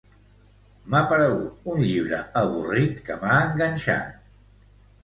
M'ha paregut un llibre avorrit que m'ha enganxat.